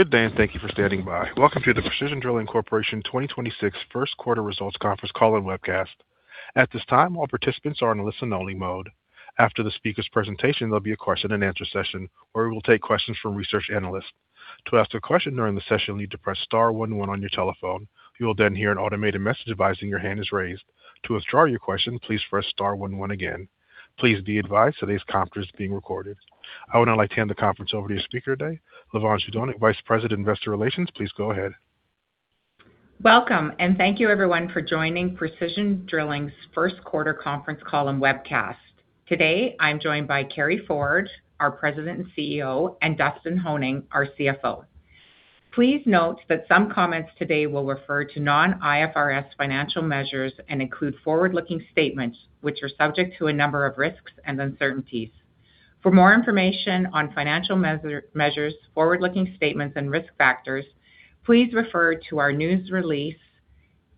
Good day. Thank you for standing by. Welcome to the Precision Drilling Corporation 2026 Q1 results conference call and webcast. At this time, all participants are on a listen only mode. After the speaker's presentation, there'll be a question and answer session where we will take questions from research analysts. To ask a question during the session, you'll need to press star 11 on your telephone. You will hear an automated message advising your hand is raised. To withdraw your question, please press star 11 again. Please be advised today's conference is being recorded. I would now like to hand the conference over to speaker today, Lavonne Zdunich, Vice President, Investor Relations. Please go ahead. Welcome, and thank you everyone for joining Precision Drilling's Q1 conference call and webcast. Today, I'm joined by Carey Ford, our President and CEO, and Dustin Honing, our CFO. Please note that some comments today will refer to non-IFRS financial measures and include forward-looking statements which are subject to a number of risks and uncertainties. For more information on financial measures, forward-looking statements and risk factors, please refer to our news release,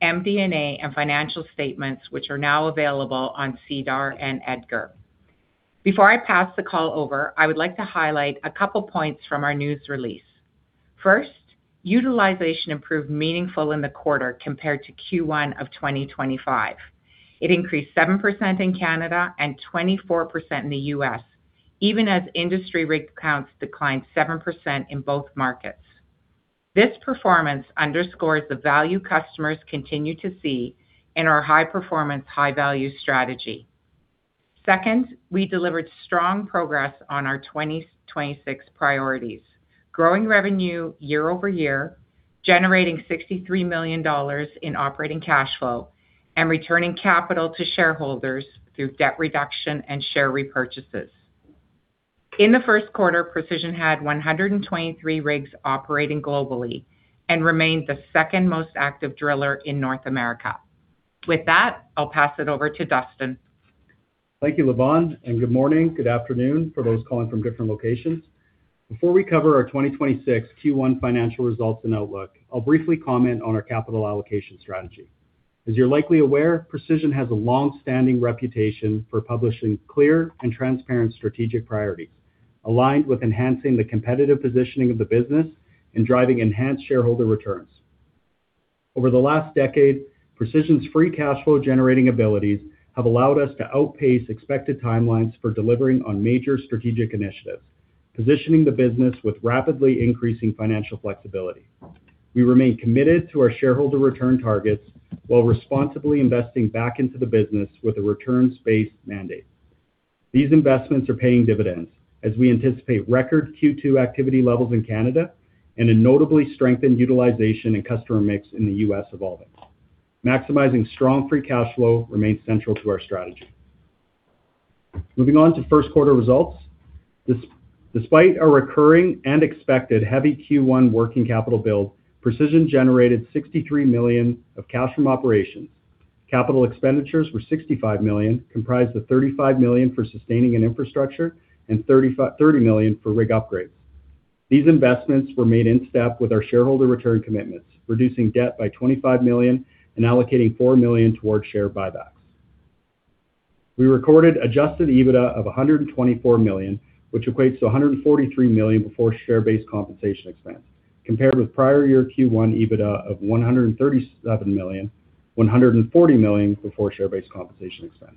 MD&A, and financial statements, which are now available on SEDAR and EDGAR. Before I pass the call over, I would like to highlight a couple points from our news release. First, utilization improved meaningful in the quarter compared to Q1 of 2025. It increased 7% in Canada and 24% in the U.S., even as industry rig counts declined 7% in both markets. This performance underscores the value customers continue to see in our high performance, high value strategy. Second, we delivered strong progress on our 2026 priorities, growing revenue year-over-year, generating 63 million dollars in operating cash flow, and returning capital to shareholders through debt reduction and share repurchases. In the Q1, Precision had 123 rigs operating globally and remained the second most active driller in North America. With that, I'll pass it over to Dustin. Thank you, Lavonne, and good morning, good afternoon for those calling from different locations. Before we cover our 2026 Q1 financial results and outlook, I'll briefly comment on our capital allocation strategy. As you're likely aware, Precision has a long-standing reputation for publishing clear and transparent strategic priorities, aligned with enhancing the competitive positioning of the business and driving enhanced shareholder returns. Over the last decade, Precision's free cash flow generating abilities have allowed us to outpace expected timelines for delivering on major strategic initiatives, positioning the business with rapidly increasing financial flexibility. We remain committed to our shareholder return targets while responsibly investing back into the business with a returns-based mandate. These investments are paying dividends as we anticipate record Q2 activity levels in Canada and a notably strengthened utilization and customer mix in the U.S. evolving. Maximizing strong free cash flow remains central to our strategy. Moving on to Q1 results. Despite a recurring and expected heavy Q1 working capital build, Precision generated 63 million of cash from operations. Capital expenditures were 65 million, comprised of 35 million for sustaining and infrastructure and 30 million for rig upgrades. These investments were made in step with our shareholder return commitments, reducing debt by 25 million and allocating 4 million towards share buybacks. We recorded adjusted EBITDA of 124 million, which equates to 143 million before share-based compensation expense, compared with prior year Q1 EBITDA of 137 million, 140 million before share-based compensation expense.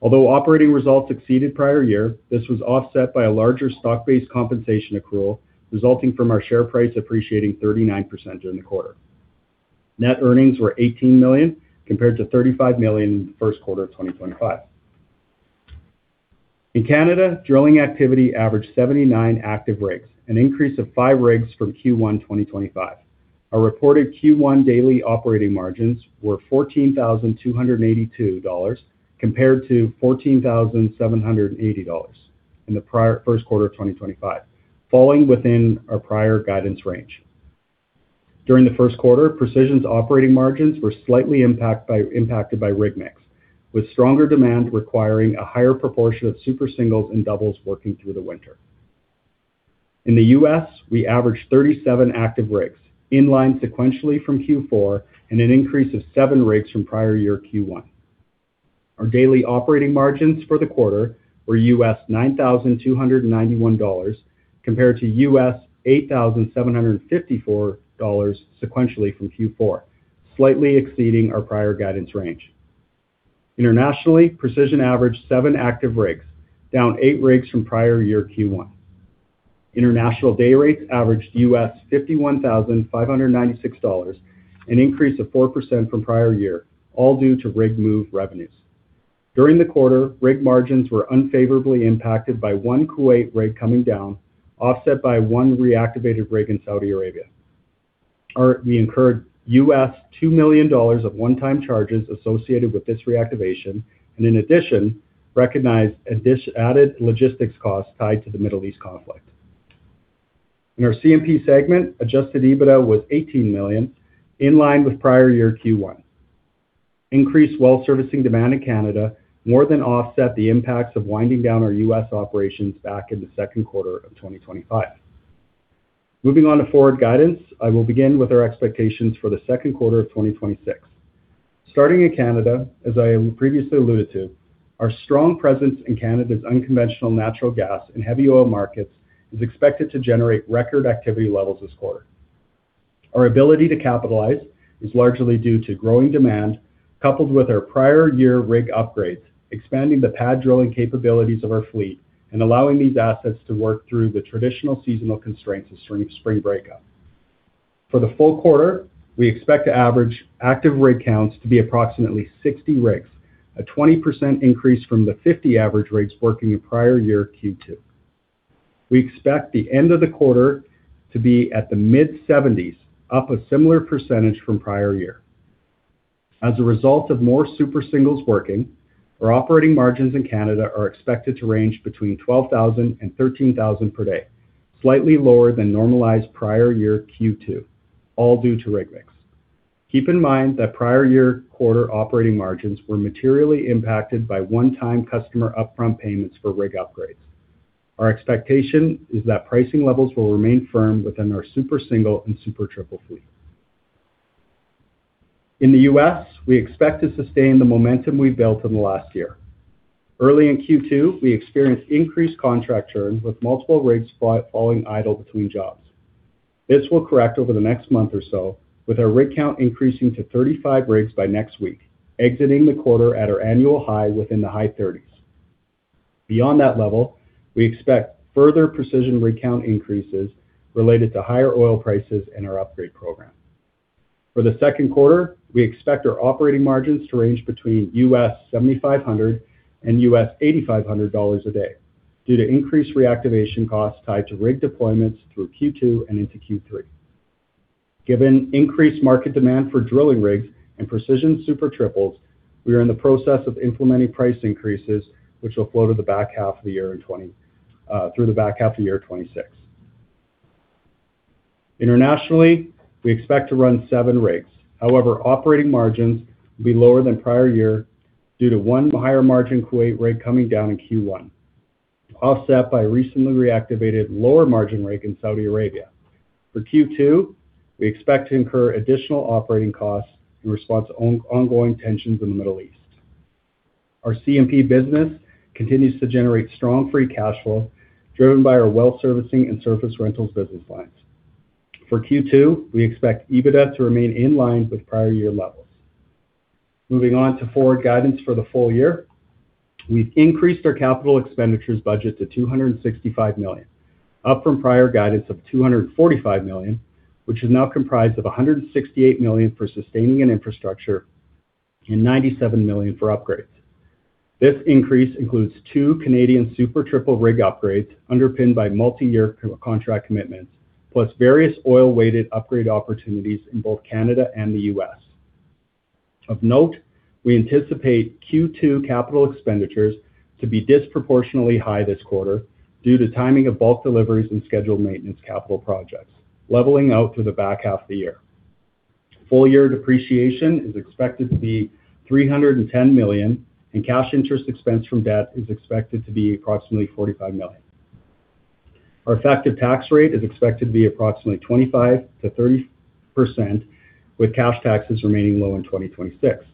Although operating results exceeded prior year, this was offset by a larger stock-based compensation accrual resulting from our share price appreciating 39% during the quarter. Net earnings were 18 million, compared to 35 million in Q1 of 2025. In Canada, drilling activity averaged 79 active rigs, an increase of five rigs from Q1 2025. Our reported Q1 daily operating margins were 14,282 dollars compared to 14,780 dollars in the Q1 of 2025, falling within our prior guidance range. During the Q1, Precision's operating margins were slightly impacted by rig mix, with stronger demand requiring a higher proportion of Super Single and doubles working through the winter. In the U.S., we averaged 37 active rigs, in line sequentially from Q4 and an increase of seven rigs from prior year Q1. Our daily operating margins for the quarter were $9,291 compared to $8,754 sequentially from Q4, slightly exceeding our prior guidance range. Internationally, Precision averaged seven active rigs, down eight rigs from prior-year Q1. International day rates averaged $51,596, an increase of 4% from prior-year, all due to rig move revenues. During the quarter, rig margins were unfavorably impacted by one Kuwait rig coming down, offset by one reactivated rig in Saudi Arabia. We incurred $2 million of one-time charges associated with this reactivation and in addition, recognized added logistics costs tied to the Middle East conflict. In our CMP segment, adjusted EBITDA was 18 million, in line with prior-year Q1. Increased well servicing demand in Canada more than offset the impacts of winding down our U.S. operations back in the Q2 of 2025. Moving on to forward guidance, I will begin with our expectations for the Q2 of 2026. Starting in Canada, as I previously alluded to, our strong presence in Canada's unconventional natural gas and heavy oil markets is expected to generate record activity levels this quarter. Our ability to capitalize is largely due to growing demand, coupled with our prior year rig upgrades, expanding the pad drilling capabilities of our fleet and allowing these assets to work through the traditional seasonal constraints of spring breakup. For the full quarter, we expect the average active rig counts to be approximately 60 rigs, a 20% increase from the 50 average rigs working in prior year Q2. We expect the end of the quarter to be at the mid-70s, up a similar percentage from prior year. As a result of more Super Single working, our operating margins in Canada are expected to range between 12,000 and 13,000 per day, slightly lower than normalized prior year Q2, all due to rig mix. Keep in mind that prior year quarter operating margins were materially impacted by one-time customer upfront payments for rig upgrades. Our expectation is that pricing levels will remain firm within our Super Single and Super Triple fleet. In the U.S., we expect to sustain the momentum we've built in the last year. Early in Q2, we experienced increased contract churn with multiple rigs falling idle between jobs. This will correct over the next month or so with our rig count increasing to 35 rigs by next week, exiting the quarter at our annual high within the high 30s. Beyond that level, we expect further Precision rig count increases related to higher oil prices and our upgrade program. For the Q2, we expect our operating margins to range between US $7,500 and US $8,500 a day due to increased reactivation costs tied to rig deployments through Q2 and into Q3. Given increased market demand for drilling rigs and Precision Super Triple, we are in the process of implementing price increases, which will flow through the back half of the year 2026. Internationally, we expect to run seven rigs. However, operating margins will be lower than prior year due to one higher margin Kuwait rig coming down in Q1, offset by recently reactivated lower margin rig in Saudi Arabia. For Q2, we expect to incur additional operating costs in response to ongoing tensions in the Middle East. Our CMP business continues to generate strong free cash flow driven by our well servicing and surface rentals business lines. For Q2, we expect EBITDA to remain in line with prior year levels. Moving on to forward guidance for the full year, we've increased our capital expenditures budget to 265 million, up from prior guidance of 245 million, which is now comprised of 168 million for sustaining and infrastructure and 97 million for upgrades. This increase includes two Canadian Super Triple rig upgrades underpinned by multi-year contract commitments, plus various oil-weighted upgrade opportunities in both Canada and the U.S. Of note, we anticipate Q2 capital expenditures to be disproportionately high this quarter due to timing of bulk deliveries and scheduled maintenance capital projects, leveling out through the back half of the year. Full year depreciation is expected to be 310 million, and cash interest expense from debt is expected to be approximately 45 million. Our effective tax rate is expected to be approximately 25%-30%, with cash taxes remaining low in 2026.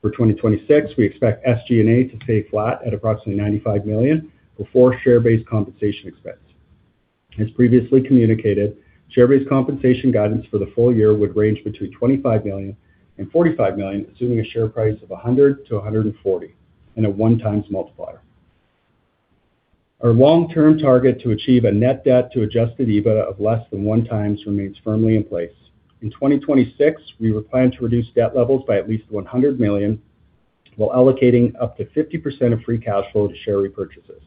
For 2026, we expect SG&A to stay flat at approximately 95 million before share-based compensation expense. As previously communicated, share-based compensation guidance for the full year would range between 25 million and 45 million, assuming a share price of 100-140 and a 1x multiplier. Our long-term target to achieve a net debt to adjusted EBITDA of less than 1x remains firmly in place. In 2026, we plan to reduce debt levels by at least 100 million while allocating up to 50% of free cash flow to share repurchases.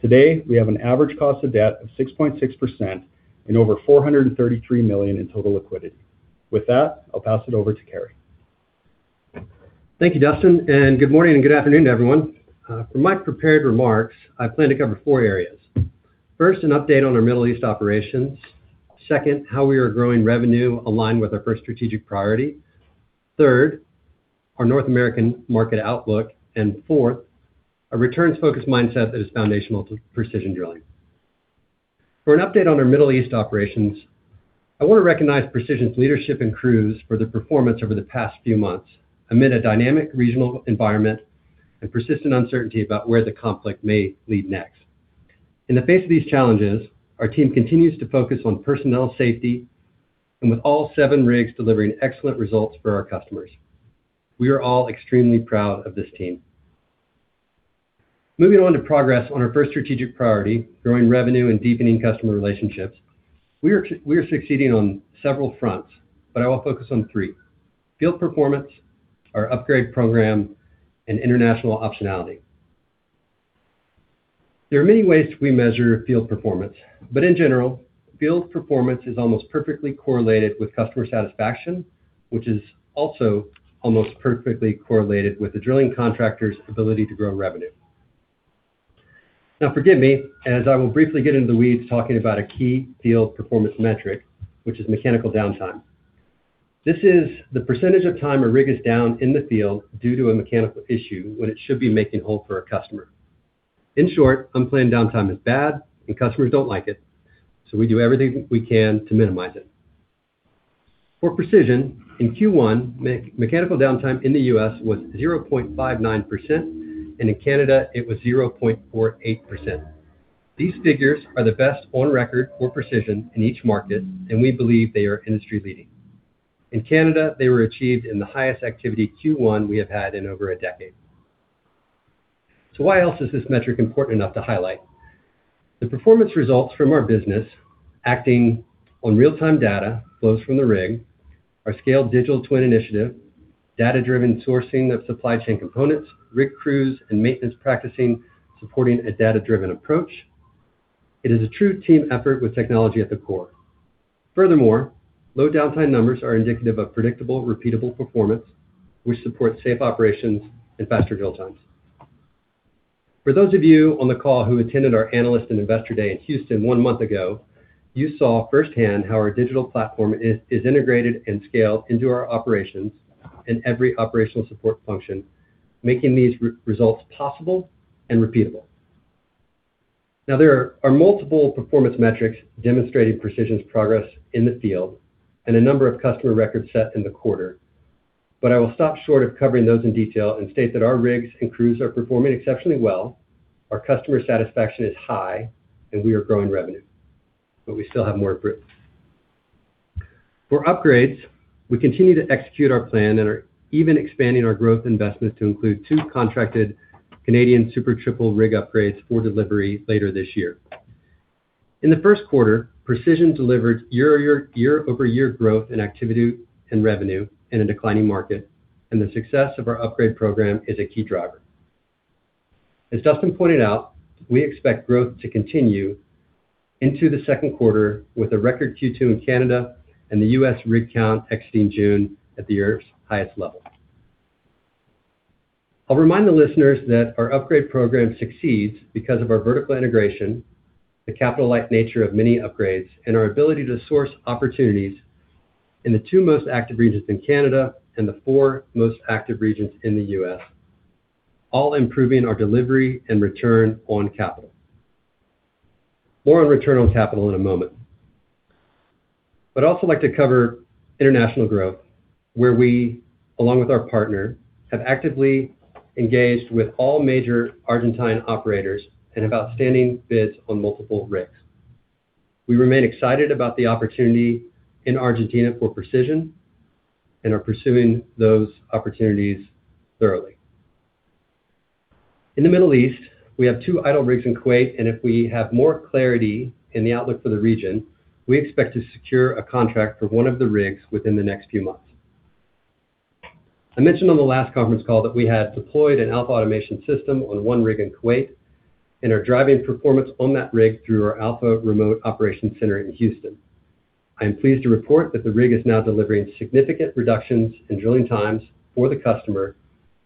Today, we have an average cost of debt of 6.6% and over 433 million in total liquidity. With that, I'll pass it over to Carey. Thank you, Dustin, good morning and good afternoon to everyone. For my prepared remarks, I plan to cover four areas. First, an update on our Middle East operations. Second, how we are growing revenue aligned with our 1st strategic priority. Third, our North American market outlook. Fourth, a returns-focused mindset that is foundational to Precision Drilling. For an update on our Middle East operations, I want to recognize Precision's leadership and crews for their performance over the past few months amid a dynamic regional environment and persistent uncertainty about where the conflict may lead next. In the face of these challenges, our team continues to focus on personnel safety and with all seven rigs delivering excellent results for our customers. We are all extremely proud of this team. Moving on to progress on our 1st strategic priority, growing revenue and deepening customer relationships. We are succeeding on several fronts. I will focus on three: field performance, our upgrade program, and international optionality. There are many ways we measure field performance. In general, field performance is almost perfectly correlated with customer satisfaction, which is also almost perfectly correlated with the drilling contractor's ability to grow revenue. Forgive me as I will briefly get into the weeds talking about a key field performance metric, which is mechanical downtime. This is the % of time a rig is down in the field due to a mechanical issue when it should be making hole for a customer. In short, unplanned downtime is bad and customers don't like it. We do everything we can to minimize it. For Precision, in Q1, mechanical downtime in the U.S. was 0.59%. In Canada it was 0.48%. These figures are the best on record for Precision in each market, and we believe they are industry-leading. In Canada, they were achieved in the highest activity Q1 we have had in over a decade. Why else is this metric important enough to highlight? The performance results from our business acting on real-time data flows from the rig, our scale digital twin initiative, data-driven sourcing of supply chain components, rig crews, and maintenance practicing supporting a data-driven approach. It is a true team effort with technology at the core. Furthermore, low downtime numbers are indicative of predictable, repeatable performance, which supports safe operations and faster drill times. For those of you on the call who attended our Analyst and Investor Day in Houston one month ago, you saw firsthand how our digital platform is integrated and scaled into our operations in every operational support function, making these results possible and repeatable. There are multiple performance metrics demonstrating Precision's progress in the field and a number of customer records set in the quarter. I will stop short of covering those in detail and state that our rigs and crews are performing exceptionally well. Our customer satisfaction is high, and we are growing revenue, but we still have more improvements. For upgrades, we continue to execute our plan and are even expanding our growth investments to include two contracted Canadian Super Triple rig upgrades for delivery later this year. In the Q1, Precision delivered year-over-year growth in activity and revenue in a declining market, the success of our upgrade program is a key driver. As Dustin pointed out, we expect growth to continue into the Q2 with a record Q2 in Canada and the U.S. rig count exiting June at the year's highest level. I'll remind the listeners that our upgrade program succeeds because of our vertical integration, the capital-light nature of many upgrades, and our ability to source opportunities in the two most active regions in Canada and the four most active regions in the U.S., all improving our delivery and return on capital. More on return on capital in a moment. I'd also like to cover international growth, where we, along with our partner, have actively engaged with all major Argentine operators and have outstanding bids on multiple rigs. We remain excited about the opportunity in Argentina for Precision Drilling and are pursuing those opportunities thoroughly. In the Middle East, we have two idle rigs in Kuwait, and if we have more clarity in the outlook for the region, we expect to secure a contract for one of the rigs within the next few months. I mentioned on the last conference call that we had deployed an AlphaAutomation system on one rig in Kuwait and are driving performance on that rig through our Alpha remote operation center in Houston. I am pleased to report that the rig is now delivering significant reductions in drilling times for the customer,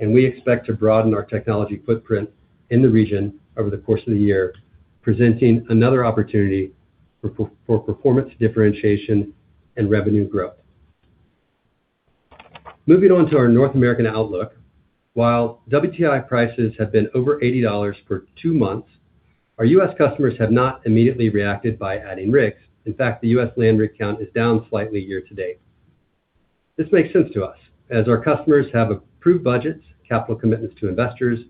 and we expect to broaden our technology footprint in the region over the course of the year, presenting another opportunity for performance differentiation and revenue growth. Moving on to our North American outlook. While WTI prices have been over $80 for two months, our U.S. customers have not immediately reacted by adding rigs. In fact, the U.S. land rig count is down slightly year-to-date. This makes sense to us, as our customers have approved budgets, capital commitments to investors,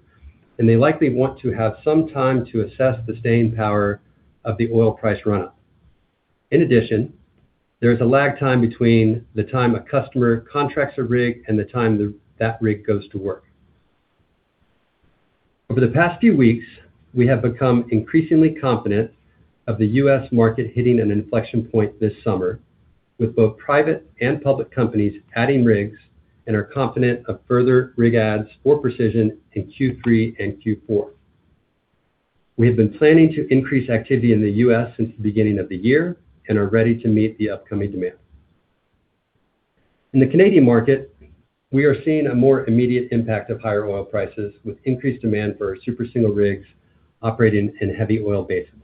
and they likely want to have some time to assess the staying power of the oil price run-up. In addition, there is a lag time between the time a customer contracts a rig and the time that rig goes to work. Over the past few weeks, we have become increasingly confident of the U.S. market hitting an inflection point this summer with both private and public companies adding rigs and are confident of further rig adds for Precision in Q3 and Q4. We have been planning to increase activity in the U.S. since the beginning of the year and are ready to meet the upcoming demand. In the Canadian market, we are seeing a more immediate impact of higher oil prices with increased demand for Super Single rigs operating in heavy oil basins.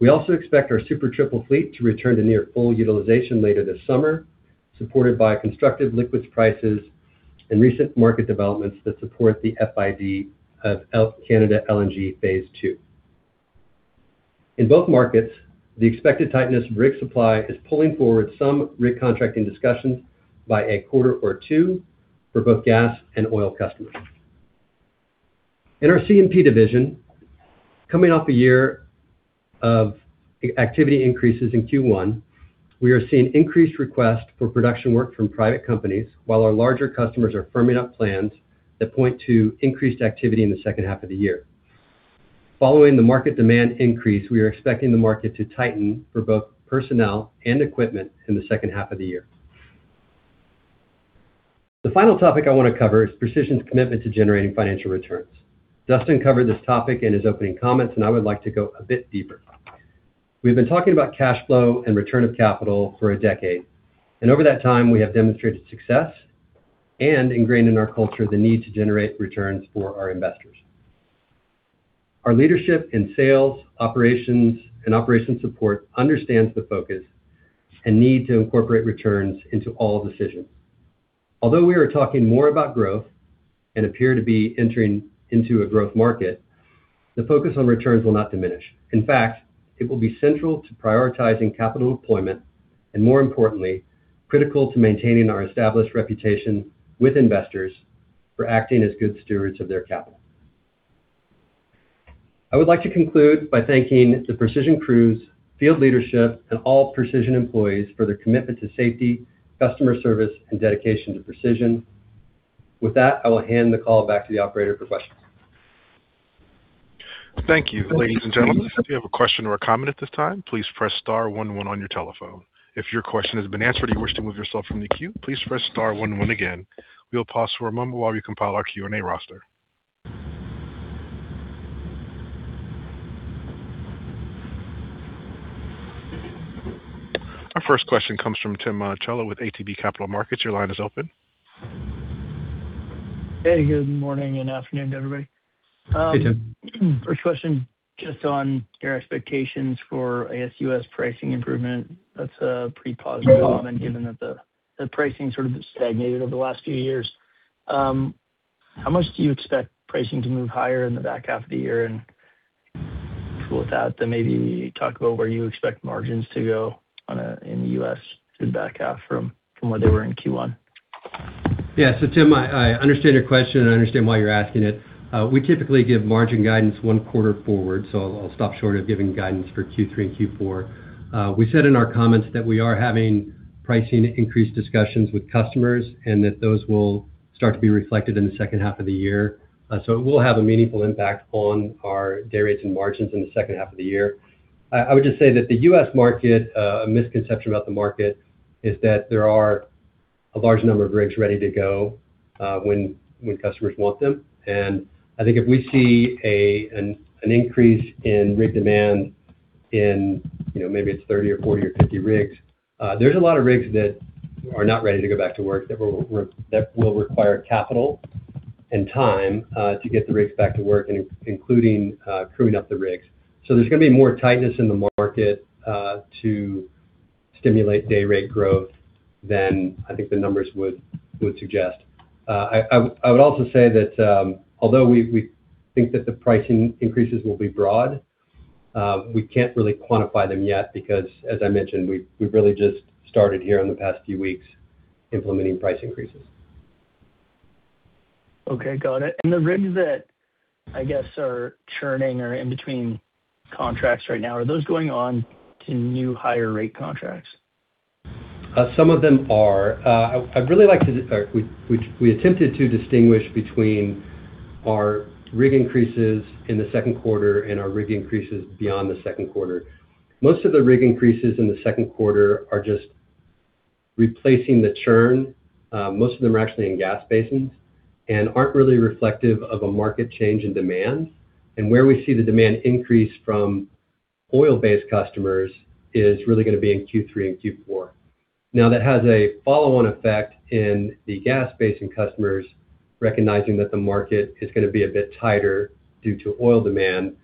We also expect our Super Triple fleet to return to near full utilization later this summer, supported by constructive liquids prices and recent market developments that support the FID of LNG Canada Phase Two. In both markets, the expected tightness in rig supply is pulling forward some rig contracting discussions by a quarter or two for both gas and oil customers. In our CMP division, coming off a year of activity increases in Q1, we are seeing increased request for production work from private companies while our larger customers are firming up plans that point to increased activity in the H2 of the year. Following the market demand increase, we are expecting the market to tighten for both personnel and equipment in the H2 of the year. The final topic I want to cover is Precision's commitment to generating financial returns. Dustin covered this topic in his opening comments, and I would like to go a bit deeper. We've been talking about cash flow and return of capital for a decade, and over that time, we have demonstrated success and ingrained in our culture the need to generate returns for our investors. Our leadership in sales, operations, and operations support understands the focus and need to incorporate returns into all decisions. Although we are talking more about growth and appear to be entering into a growth market, the focus on returns will not diminish. In fact, it will be central to prioritizing capital employment and, more importantly, critical to maintaining our established reputation with investors for acting as good stewards of their capital. I would like to conclude by thanking the Precision crews, field leadership, and all Precision employees for their commitment to safety, customer service, and dedication to Precision. With that, I will hand the call back to the operator for questions. Thank you. Ladies and gentlemen, if you have a question or a comment at this time, please press star one one on your telephone. If your question has been answered and you wish to remove yourself from the queue, please press star one one again. We will pause for a moment while we compile our Q&A roster. Our first question comes from Tim Monachello with ATB Capital Markets. Your line is open. Hey, good morning and afternoon to everybody. Hey, Tim. First question, just on your expectations for, I guess, U.S. pricing improvement. Mm-hmm Given that the pricing sort of stagnated over the last few years. How much do you expect pricing to move higher in the back half of the year? With that, maybe talk about where you expect margins to go in the U.S. in the back half from where they were in Q1. Tim, I understand your question, and I understand why you're asking it. We typically give margin guidance one quarter forward, so I'll stop short of giving guidance for Q3 and Q4. We said in our comments that we are having pricing increase discussions with customers and that those will start to be reflected in the H2 of the year. It will have a meaningful impact on our day rates and margins in the H2 of the year. I would just say that the U.S. market, a misconception about the market is that there are a large number of rigs ready to go, when customers want them. I think if we see an increase in rig demand in, you know, maybe it's 30 or 40 or 50 rigs, there's a lot of rigs that are not ready to go back to work that will require capital and time to get the rigs back to work, including crewing up the rigs. There's gonna be more tightness in the market to stimulate day rate growth than I think the numbers would suggest. I would also say that, although we think that the pricing increases will be broad, we can't really quantify them yet because, as I mentioned, we've really just started here in the past few weeks implementing price increases. Okay, got it. The rigs that I guess are churning or in between contracts right now, are those going on to new higher rate contracts? Some of them are. We attempted to distinguish between our rig increases in the Q2 and our rig increases beyond the Q2. Most of the rig increases in the Q2 are just replacing the churn. Most of them are actually in gas basins and aren't really reflective of a market change in demand. Where we see the demand increase from oil-based customers is really gonna be in Q3 and Q4. That has a follow-on effect in the gas basin customers recognizing that the market is gonna be a bit tighter due to oil demand,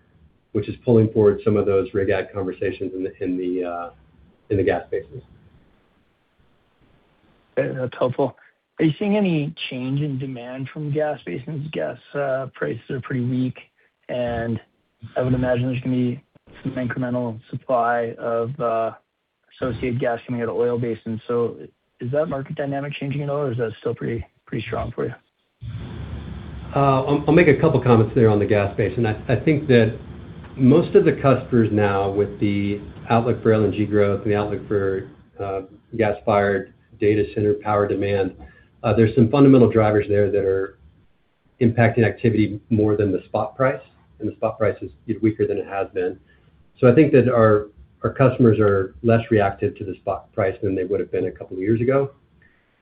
which is pulling forward some of those rig add conversations in the gas basins. That's helpful. Are you seeing any change in demand from gas basins? Gas prices are pretty weak, and I would imagine there's gonna be some incremental supply of associated gas coming out of oil basins. Is that market dynamic changing at all, or is that still pretty strong for you? I'll make a couple comments there on the gas basin. I think that most of the customers now with the outlook for LNG growth and the outlook for gas-fired data center power demand, there's some fundamental drivers there that are impacting activity more than the spot price, and the spot price is weaker than it has been. I think that our customers are less reactive to the spot price than they would have been a couple of years ago.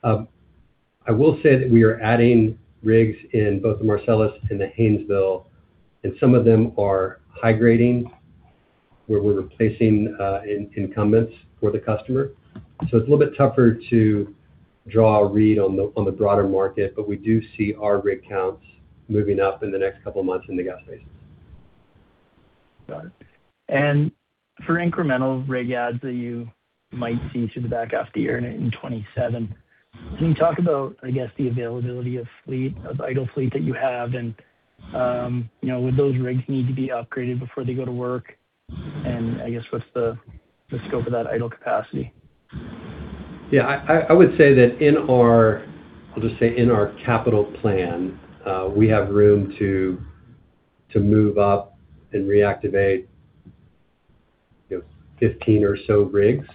I will say that we are adding rigs in both the Marcellus and the Haynesville, and some of them are high grading, where we're replacing incumbents for the customer. It's a little bit tougher to draw a read on the, on the broader market, but we do see our rig counts moving up in the next two months in the gas basins. Got it. For incremental rig adds that you might see through the back half of the year in 2027. Mm-hmm Can you talk about, I guess, the availability of fleet, of idle fleet that you have, and, you know, would those rigs need to be upgraded before they go to work? I guess what's the scope of that idle capacity? I would say that in our, I'll just say in our capital plan, we have room to move up and reactivate, you know, 15 or so rigs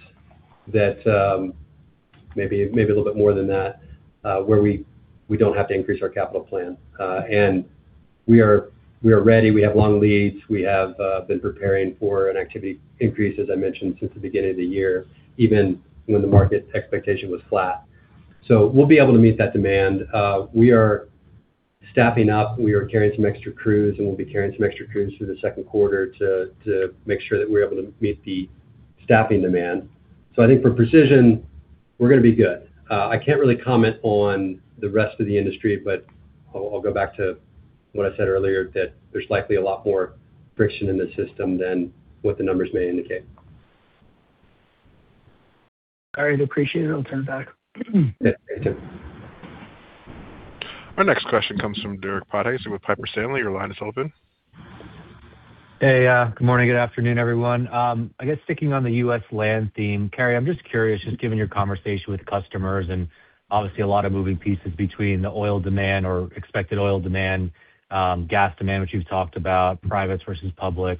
that, maybe a little bit more than that, where we don't have to increase our capital plan. We are ready. We have long leads. We have been preparing for an activity increase, as I mentioned, since the beginning of the year, even when the market expectation was flat. We'll be able to meet that demand. We are staffing up. We are carrying some extra crews, and we'll be carrying some extra crews through the Q2 to make sure that we're able to meet the staffing demand. I think for Precision, we're gonna be good. I can't really comment on the rest of the industry, but I'll go back to what I said earlier, that there's likely a lot more friction in the system than what the numbers may indicate. All right. Appreciate it. I'll turn it back. Yeah, thank you. Our next question comes from Derek Podolsky with Piper Sandler. Your line is open. Hey, good morning, good afternoon, everyone. I guess sticking on the U.S. land theme, Carey, I'm just curious, just given your conversation with customers, and obviously a lot of moving pieces between the oil demand or expected oil demand, gas demand, which you've talked about, privates versus public.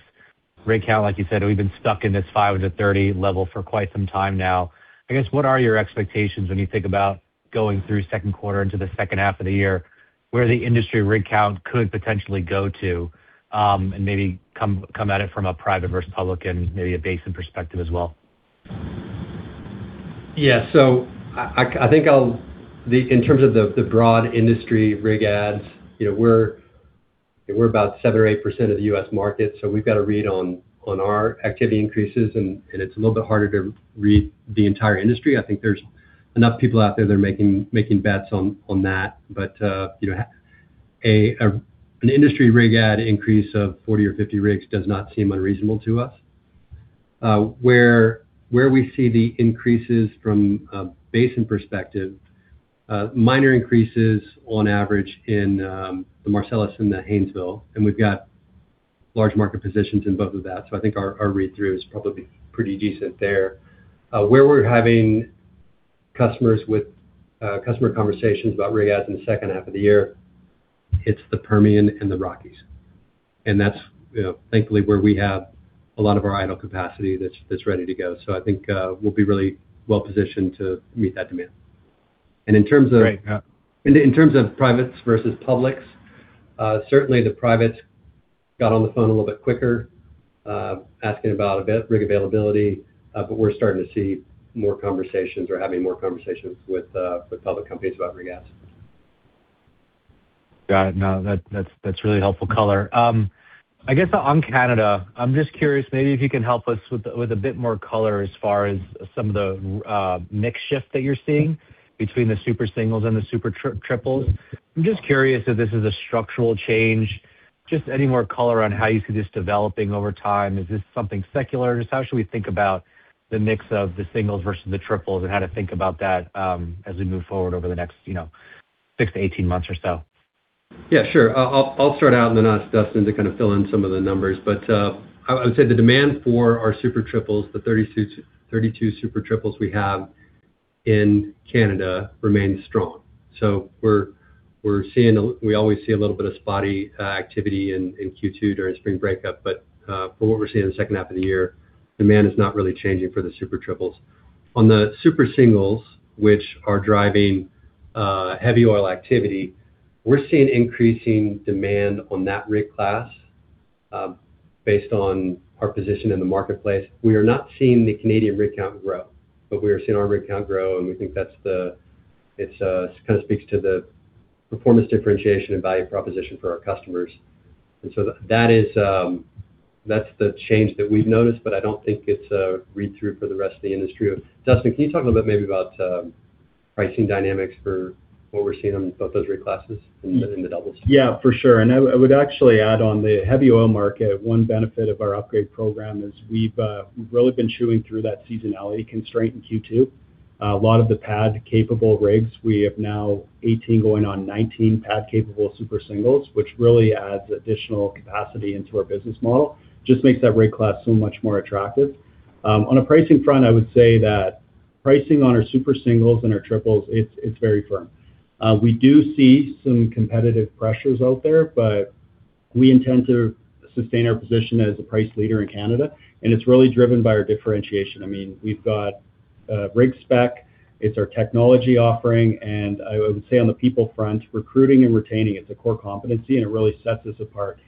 Rig count, like you said, we've been stuck in this 530 level for quite some time now. I guess, what are your expectations when you think about going through Q2 into the H2 of the year, where the industry rig count could potentially go to, and maybe come at it from a private versus public and maybe a basin perspective as well? I think I'll in terms of the broad industry rig adds, you know, we're about 7% or 8% of the U.S. market, so we've got a read on our activity increases, and it's a little bit harder to read the entire industry. I think there's enough people out there that are making bets on that. You know, an industry rig add increase of 40 or 50 rigs does not seem unreasonable to us. Where we see the increases from a basin perspective, minor increases on average in the Marcellus and the Haynesville, and we've got large market positions in both of that. I think our read-through is probably pretty decent there. where we're having customers with, customer conversations about rig adds in the H2 of the year, it's the Permian and the Rockies. That's, you know, thankfully where we have a lot of our idle capacity that's ready to go. I think we'll be really well positioned to meet that demand. Great. In terms of privates versus publics, certainly the privates got on the phone a little bit quicker, asking about rig availability, but we're starting to see more conversations or having more conversations with public companies about rig adds. Got it. No, that's really helpful color. I guess on Canada, I'm just curious, maybe if you can help us with a bit more color as far as some of the mix shift that you're seeing between the Super Single and the Super Triple. I'm just curious if this is a structural change. Just any more color on how you see this developing over time. Is this something secular? Just how should we think about the mix of the singles versus the triples and how to think about that, as we move forward over the next, you know, six to 18 months or so? Yeah, sure. I'll start out and then ask Dustin to kind of fill in some of the numbers. I would say the demand for our Super Triple, the 32 Super Triple we have in Canada remains strong. We always see a little bit of spotty activity in Q2 during spring breakup. From what we're seeing in the 2nd half of the year, demand is not really changing for the Super Triple. On the Super Single, which are driving heavy oil activity, we're seeing increasing demand on that rig class, based on our position in the marketplace. We are not seeing the Canadian rig count grow, we are seeing our rig count grow, we think it kind of speaks to the performance differentiation and value proposition for our customers. That is the change that we've noticed, but I don't think it's a read-through for the rest of the industry. Dustin, can you talk a little bit maybe about pricing dynamics for what we're seeing on both those rig classes in the, in the doubles? Yeah, for sure. I would actually add on the heavy oil market, one benefit of our upgrade program is we've really been chewing through that seasonality constraint in Q2. A lot of the pad-capable rigs, we have now 18 going on 19 pad-capable Super Single, which really adds additional capacity into our business model. Just makes that rig class so much more attractive. On a pricing front, I would say that pricing on our Super Single and our triples, it's very firm. We do see some competitive pressures out there, but we intend to sustain our position as a price leader in Canada, and it's really driven by our differentiation. I mean, we've got rig spec, it's our technology offering, and I would say on the people front, recruiting and retaining, it's a core competency, and it really sets us apart.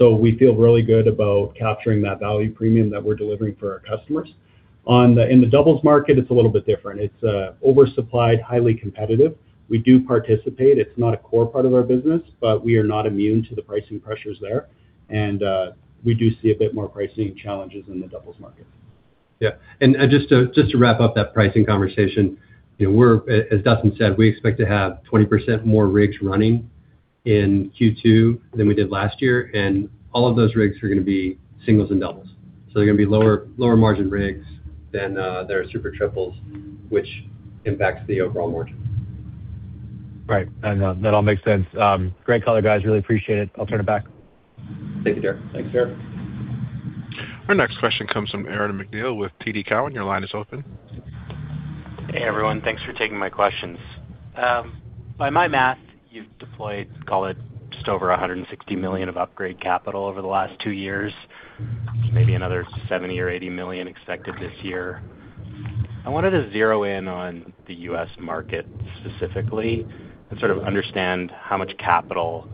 We feel really good about capturing that value premium that we're delivering for our customers. In the doubles market, it's a little bit different. It's oversupplied, highly competitive. We do participate. It's not a core part of our business, but we are not immune to the pricing pressures there. We do see a bit more pricing challenges in the doubles market. Just to, just to wrap up that pricing conversation, you know, as Dustin said, we expect to have 20% more rigs running in Q2 than we did last year. All of those rigs are gonna be singles and doubles. They're gonna be lower margin rigs than their Super Triple, which impacts the overall margins. Right. That all makes sense. Great color, guys. Really appreciate it. I'll turn it back. Thank you, Derek. Thanks, Derek. Our next question comes from Aaron MacNeil with TD Cowen. Your line is open. Hey, everyone. Thanks for taking my questions. By my math, you've deployed, call it, just over 160 million of upgrade capital over the last two years. Maybe another 70 or 80 million expected this year. I wanted to zero in on the U.S. market specifically and sort of understand how much capital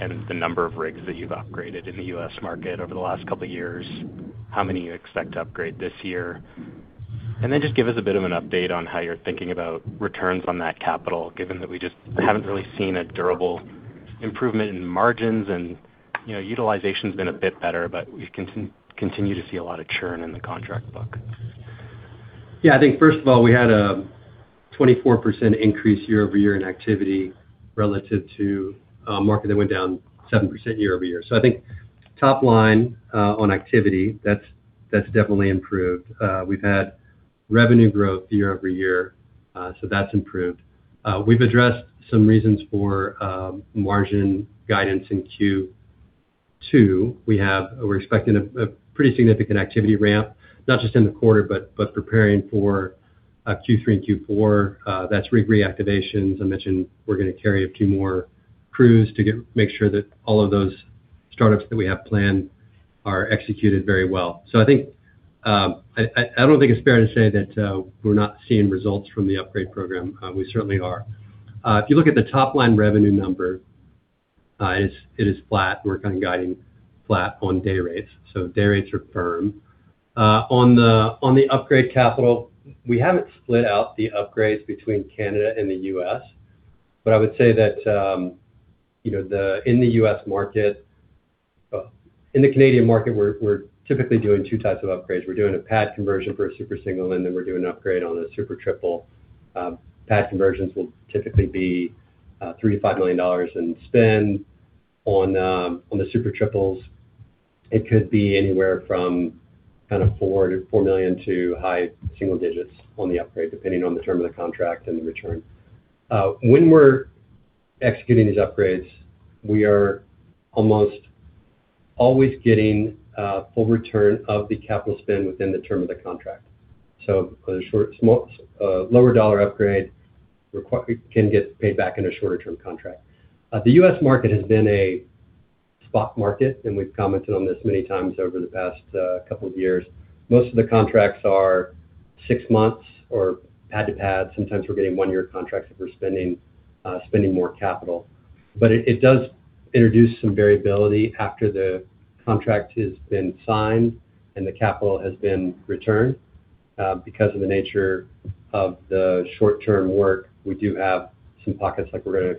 and the number of rigs that you've upgraded in the U.S. market over the last couple of years, how many you expect to upgrade this year. Then just give us a bit of an update on how you're thinking about returns on that capital, given that we just haven't really seen a durable improvement in margins and, you know, utilization's been a bit better, but we continue to see a lot of churn in the contract book. Yeah, I think first of all, we had a 24% increase year-over-year in activity relative to a market that went down 7% year-over-year. I think top line on activity, that's definitely improved. We've had revenue growth year-over-year, that's improved. We've addressed some reasons for margin guidance in Q2. We're expecting a pretty significant activity ramp, not just in the quarter, but preparing for Q3 and Q4. That's rig reactivations. I mentioned we're gonna carry a few more crews to make sure that all of those startups that we have planned are executed very well. I think I don't think it's fair to say that we're not seeing results from the upgrade program. We certainly are. If you look at the top-line revenue number, it is flat. We're kind of guiding flat on day rates, so day rates are firm. On the, on the upgrade capital, we haven't split out the upgrades between Canada and the U.S., but I would say that, you know, in the U.S. market, in the Canadian market, we're typically doing two types of upgrades. We're doing a pad conversion for a Super Single, and then we're doing an upgrade on a Super Triple. Pad conversions will typically be 3 million-5 million dollars in spend. On, on the Super Triple, it could be anywhere from kind of 4 million-4 million to high single digits on the upgrade, depending on the term of the contract and the return. When we're executing these upgrades, we are almost always getting full return of the capital spend within the term of the contract. For the lower dollar upgrade can get paid back in a shorter term contract. The U.S. market has been a spot market, and we've commented on this many times over the past couple of years. Most of the contracts are six months or pad to pad. Sometimes we're getting one-year contracts if we're spending more capital. It does introduce some variability after the contract has been signed and the capital has been returned. Because of the nature of the short-term work, we do have some pockets like we're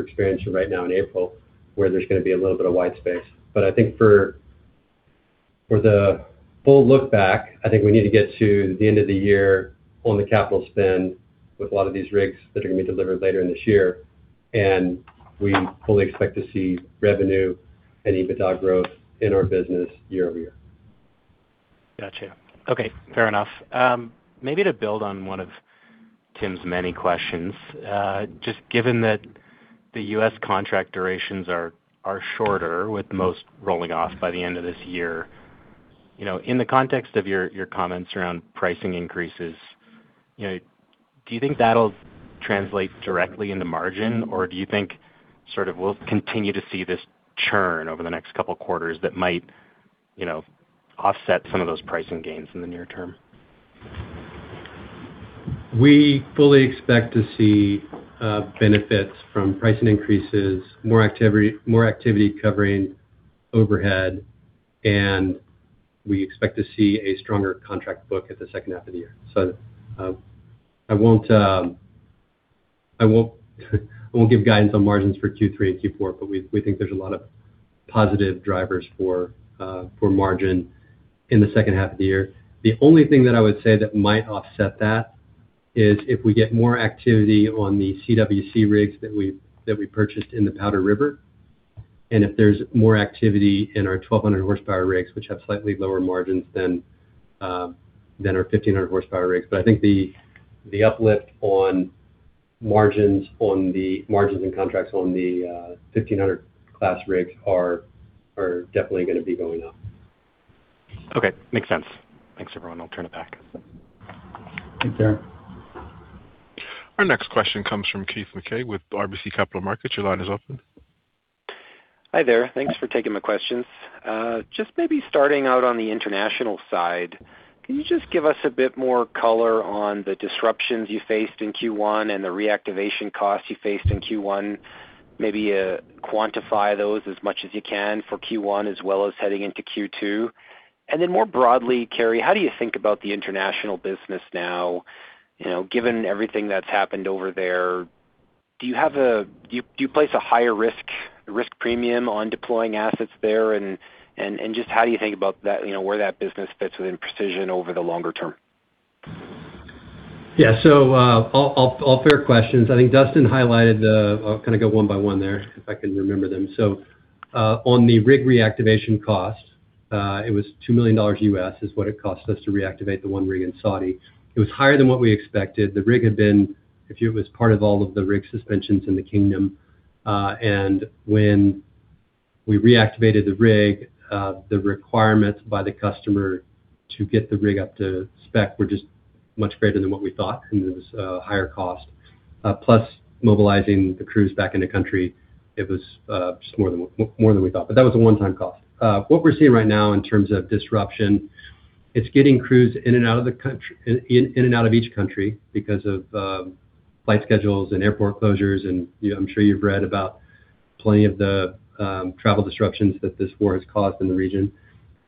experiencing right now in April, where there's gonna be a little bit of white space. I think for the full look back, I think we need to get to the end of the year on the capital spend with a lot of these rigs that are gonna be delivered later in this year, and we fully expect to see revenue and EBITDA growth in our business year-over-year. Gotcha. Okay, fair enough. Maybe to build on one of Tim's many questions, just given that the U.S. contract durations are shorter, with most rolling off by the end of this year, you know, in the context of your comments around pricing increases, you know, do you think that'll translate directly into margin? Or do you think sort of we'll continue to see this churn over the next couple of quarters that might, you know, offset some of those pricing gains in the near term? We fully expect to see benefits from pricing increases, more activity, more activity covering overhead, and we expect to see a stronger contract book at the H2 of the year. I won't give guidance on margins for Q3 and Q4, but we think there's a lot of positive drivers for margin in the H2 of the year. The only thing that I would say that might offset that is if we get more activity on the CWC rigs that we purchased in the Powder River, and if there's more activity in our 1,200 horsepower rigs, which have slightly lower margins than our 1,500 horsepower rigs. I think the uplift on margins and contracts on the 1,500 class rigs are definitely gonna be going up. Okay. Makes sense. Thanks, everyone. I'll turn it back. Thanks, Aaron. Our next question comes from Keith Mackey with RBC Capital Markets. Your line is open. Hi there. Thanks for taking my questions. Just maybe starting out on the international side, can you just give us a bit more color on the disruptions you faced in Q1 and the reactivation costs you faced in Q1, maybe quantify those as much as you can for Q1 as well as heading into Q2? More broadly, Carey, how do you think about the international business now? You know, given everything that's happened over there, do you place a higher risk premium on deploying assets there? Just how do you think about that, you know, where that business fits within Precision over the longer term? All fair questions. I'll kind of go one by one there, if I can remember them. On the rig reactivation cost, it was $2 million U.S. is what it cost us to reactivate the one rig in Saudi. It was higher than what we expected. The rig had been, it was part of all of the rig suspensions in the kingdom. When we reactivated the rig, the requirements by the customer to get the rig up to spec were just much greater than what we thought, and it was higher cost. Plus mobilizing the crews back in the country, it was just more than, more than we thought. That was a one-time cost. What we're seeing right now in terms of disruption, it's getting crews in and out of each country because of flight schedules and airport closures, and, you know, I'm sure you've read about plenty of the travel disruptions that this war has caused in the region.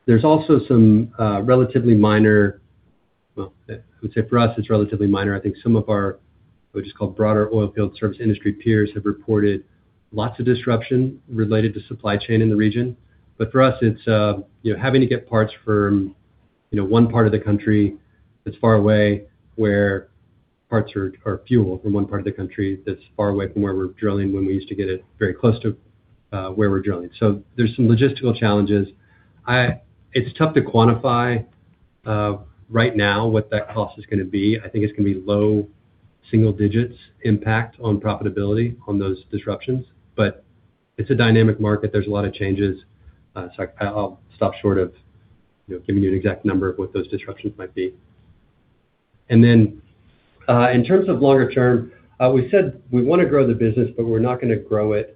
There's also some relatively minor. Well, I would say for us, it's relatively minor. I think some of our, what is called broader oilfield service industry peers, have reported lots of disruption related to supply chain in the region. For us, it's, you know, having to get parts from, you know, one part of the country that's far away or fuel from one part of the country that's far away from where we're drilling when we used to get it very close to where we're drilling. There's some logistical challenges. It's tough to quantify right now what that cost is gonna be. I think it's gonna be low single-digits impact on profitability on those disruptions. It's a dynamic market. There's a lot of changes. I'll stop short of, you know, giving you an exact number of what those disruptions might be. Then, in terms of longer term, we said we wanna grow the business, but we're not gonna grow it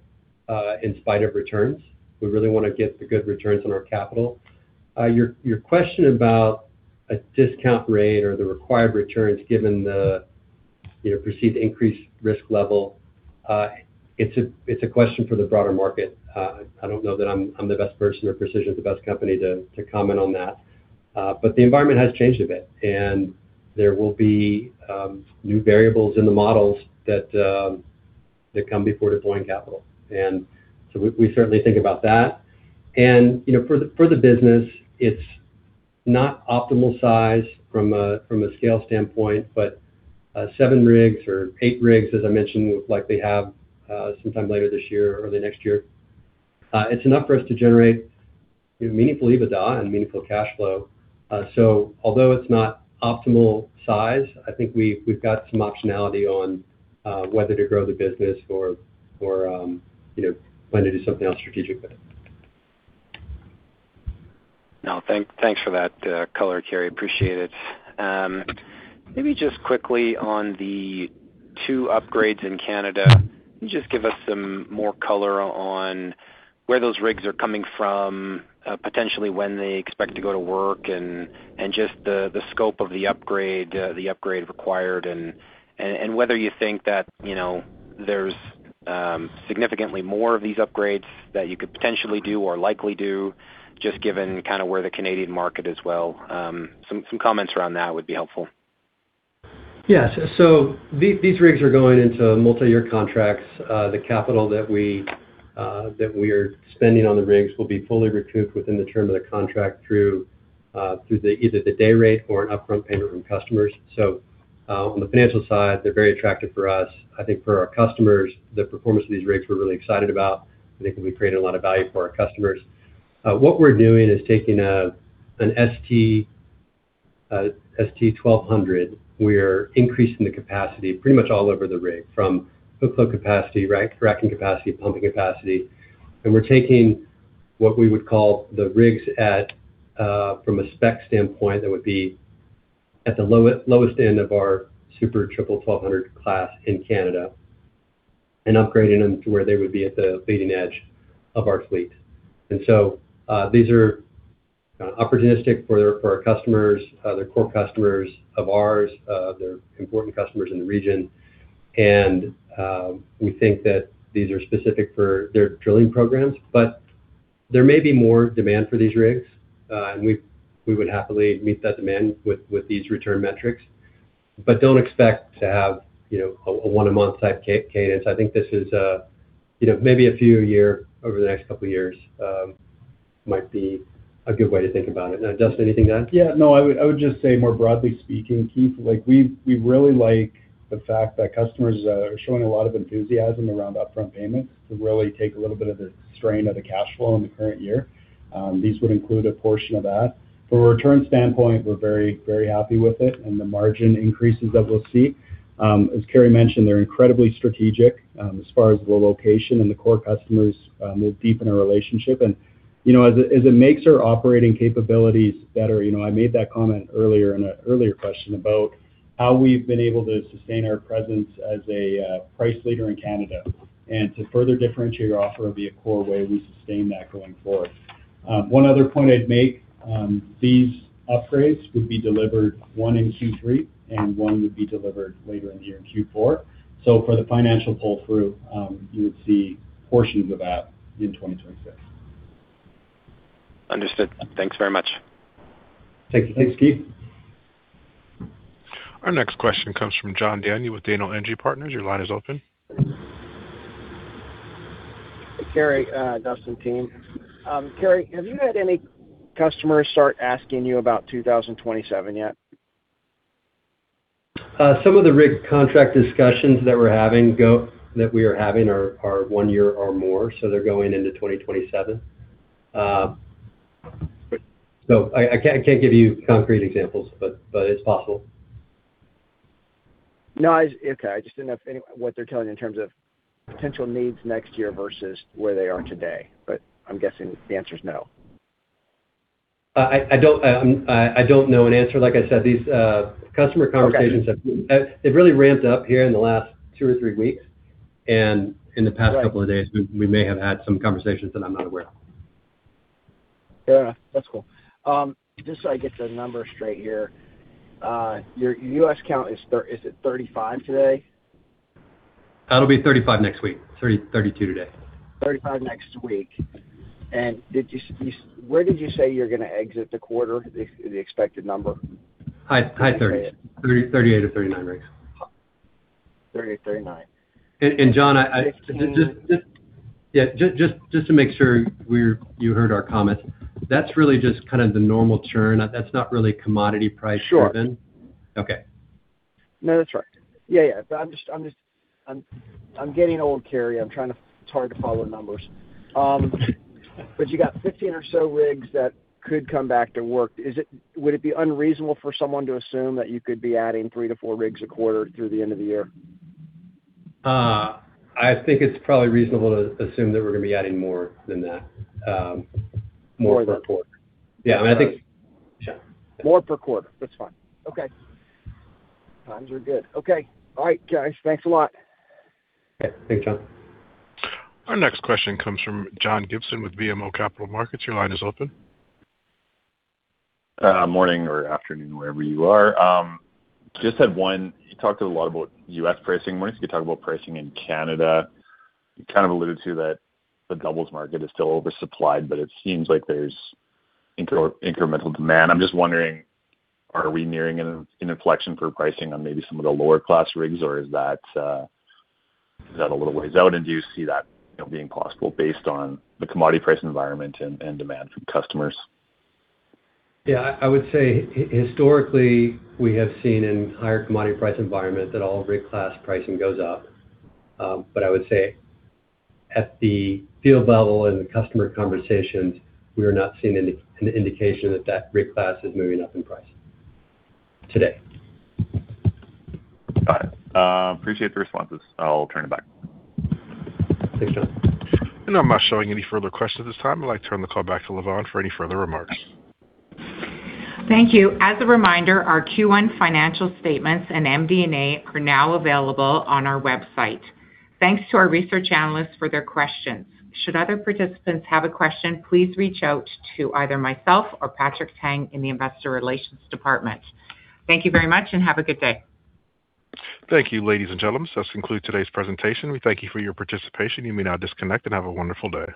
in spite of returns. We really wanna get the good returns on our capital. Your question about a discount rate or the required returns given the, you know, perceived increased risk level, it's a, it's a question for the broader market. I don't know that I'm the best person or Precision's the best company to comment on that. The environment has changed a bit, and there will be new variables in the models that come before deploying capital. We certainly think about that. You know, for the business, it's not optimal size from a scale standpoint, but seven rigs or eight rigs, as I mentioned, we would likely have sometime later this year or early next year. It's enough for us to generate, you know, meaningful EBITDA and meaningful cash flow. Although it's not optimal size, I think we've got some optionality on whether to grow the business or, you know, plan to do something else strategic with it. No, thanks for that color, Carey. Appreciate it. Maybe just quickly on the two upgrades in Canada. Can you just give us some more color on where those rigs are coming from, potentially when they expect to go to work and just the scope of the upgrade required and whether you think that, you know, there's significantly more of these upgrades that you could potentially do or likely do, just given kinda where the Canadian market is well. Some comments around that would be helpful. These rigs are going into multi-year contracts. The capital that we are spending on the rigs will be fully recouped within the term of the contract through either the day rate or an upfront payment from customers. On the financial side, they're very attractive for us. I think for our customers, the performance of these rigs, we're really excited about. I think we create a lot of value for our customers. What we're doing is taking an ST-1200. We're increasing the capacity pretty much all over the rig from hook load capacity, right, fracking capacity, pumping capacity. We're taking what we would call the rigs at, from a spec standpoint, that would be at the lowest end of our Super Triple 1200 class in Canada and upgrading them to where they would be at the leading edge of our fleet. These are opportunistic for our customers. They're core customers of ours. They're important customers in the region. We think that these are specific for their drilling programs. There may be more demand for these rigs, and we would happily meet that demand with these return metrics. Don't expect to have, you know, a one-a-month type cadence. I think this is, you know, maybe a few a year over the next couple years, might be a good way to think about it. Now, Dustin, anything to add? Yeah. No, I would, I would just say more broadly speaking, Keith, like we really like the fact that customers are showing a lot of enthusiasm around upfront payments to really take a little bit of the strain of the cash flow in the current year. These would include a portion of that. From a return standpoint, we're very, very happy with it and the margin increases that we'll see. As Carey mentioned, they're incredibly strategic, as far as the location and the core customers, they're deep in our relationship. You know, as it, as it makes our operating capabilities better, you know, I made that comment earlier in an earlier question about how we've been able to sustain our presence as a price leader in Canada and to further differentiate our offer will be a core way we sustain that going forward. One other point I'd make, these upgrades would be delivered, one in Q3 and one would be delivered later in the year in Q4. For the financial pull-through, you would see portions of that in 2026. Understood. Thanks very much. Thank you. Thanks, Keith. Our next question comes from John Daniel with Daniel Energy Partners. Carey, Dustin team. Carey, have you had any customers start asking you about 2027 yet? Some of the rig contract discussions that we're having that we are having are one year or more, so they're going into 2027. I can't give you concrete examples, but it's possible. No, It's okay. I just didn't know what they're telling you in terms of potential needs next year versus where they are today. I'm guessing the answer is no. I don't know an answer. Like I said, these customer conversations. Okay. They've really ramped up here in the last two or three weeks. In the past couple of days, we may have had some conversations that I'm not aware of. Yeah. That's cool. Just so I get the numbers straight here, your U.S. count is it 35 today? That'll be 35 next week. 32 today. 35 next week. Where did you say you're gonna exit the quarter, the expected number? High, high thirties. 38 or 39 rigs. 38, 39. John. 16 Just, yeah, just to make sure we're you heard our comments. That's really just kind of the normal churn. That's not really commodity price driven? Sure. Okay. No, that's right. Yeah, yeah. I'm just getting old, Carey. It's hard to follow the numbers. You got 15 or so rigs that could come back to work. Would it be unreasonable for someone to assume that you could be adding three to four rigs a quarter through the end of the year? I think it's probably reasonable to assume that we're gonna be adding more than that, more per quarter. More than. Yeah. I mean, Yeah. More per quarter. That's fine. Okay. Times are good. Okay. All right, guys. Thanks a lot. Okay. Thanks, John. Our next question comes from John Gibson with BMO Capital Markets. Your line is open. Morning or afternoon, wherever you are. Just had one. You talked a lot about U.S. pricing. Wanted to talk about pricing in Canada. You kind of alluded to that the doubles market is still oversupplied, but it seems like there's incremental demand. I'm just wondering, are we nearing an inflection for pricing on maybe some of the lower class rigs, or is that, is that a little ways out? Do you see that, you know, being possible based on the commodity pricing environment and demand from customers? Yeah, I would say historically, we have seen in higher commodity price environment that all rig class pricing goes up. I would say at the field level in the customer conversations, we are not seeing any, an indication that that rig class is moving up in price today. Got it. Appreciate the responses. I'll turn it back. Thanks, John. I'm not showing any further questions at this time. I'd like to turn the call back to Lavonne for any further remarks. Thank you. As a reminder, our Q1 financial statements and MD&A are now available on our website. Thanks to our research analysts for their questions. Should other participants have a question, please reach out to either myself or Patrick Tang in the Investor Relations Department. Thank you very much and have a good day. Thank you, ladies and gentlemen. This concludes today's presentation. We thank you for your participation. You may now disconnect and have a wonderful day.